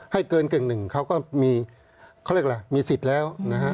ให้เกินเกินหนึ่งเขาก็มีเขาเรียกว่ามีสิทธิ์แล้ว